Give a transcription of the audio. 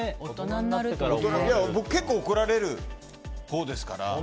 僕、結構怒られるほうですから。